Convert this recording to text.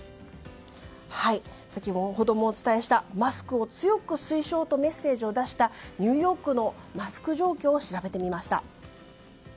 先ほどもお伝えしたマスクを強く推奨とメッセージを出したニューヨークのマスク状況を調べてみました。